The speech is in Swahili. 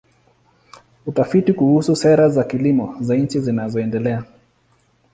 Utafiti kuhusu sera za kilimo za nchi zinazoendelea.